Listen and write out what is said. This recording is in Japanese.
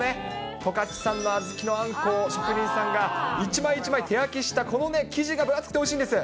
十勝産の小豆のあんこを職人さんが一枚一枚、手焼きしたこのね、生地が分厚くておいしいんです。